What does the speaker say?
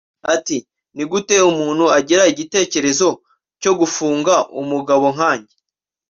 Ati “Ni gute umuntu agira igitekerezo cyo gufunga umugabo nkanjye